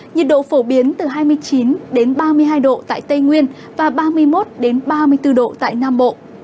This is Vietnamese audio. nhiệt độ phổ biến từ hai mươi chín ba mươi hai độ tại tây nguyên và ba mươi một ba mươi bốn độ tại nam bộ